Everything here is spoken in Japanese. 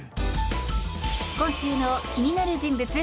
今週の気になる人物